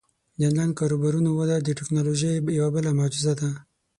د آنلاین کاروبارونو وده د ټیکنالوژۍ یوه بله معجزه ده.